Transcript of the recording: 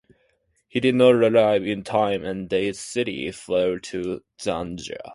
He did not arrive in time and the city fell to Zengi.